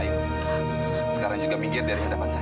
ayo sekarang juga pinggir dari hadapan saya